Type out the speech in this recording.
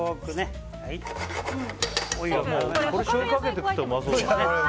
これしょうゆかけて食ったらうまそうだよね。